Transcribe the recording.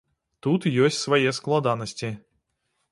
Тут ёсць свае складанасці.